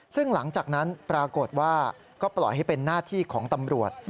ซึ่งหลังจากนั้นปรากฏว่าก็ปล่อยให้เป็นหน้าที่ของตำรวจ